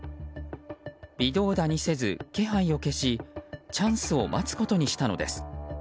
微動だにせず気配を消しチャンスを待つことにしたのです。